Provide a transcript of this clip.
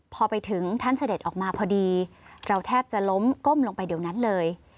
พอไปถึงท่านเสด็จออกมาพอดีเราแทบจะล้มก้มลงไปเดี๋ยวนั้นเลย